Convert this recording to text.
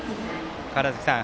川原崎さん